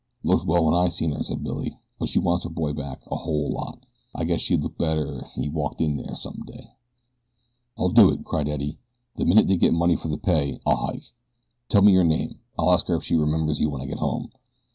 "Looked well when I seen her," said Billy; "but she wants her boy back a whole lot. I guess she'd look better still ef he walked in on her some day." "I'll do it," cried Eddie. "The minute they get money for the pay I'll hike. Tell me your name. I'll ask her ef she remembers you when I get home.